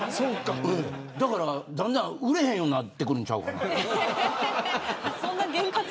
だから、だんだん売れへんようになってくるんちゃうかなって。